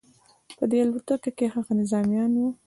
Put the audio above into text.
په دې الوتکه کې هغه نظامیان وو